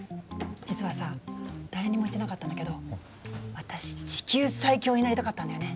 実はさ誰にも言ってなかったんだけど私地球最強になりたかったんだよね。